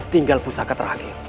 tinggal pusaka terakhir